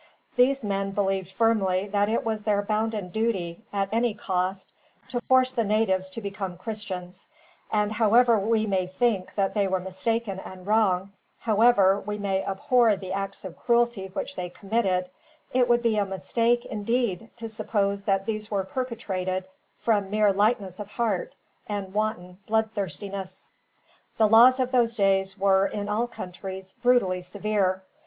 These men believed firmly that it was their bounden duty, at any cost, to force the natives to become Christians; and however we may think that they were mistaken and wrong, however we may abhor the acts of cruelty which they committed, it would be a mistake, indeed, to suppose that these were perpetrated from mere lightness of heart, and wanton bloodthirstiness. The laws of those days were, in all countries, brutally severe.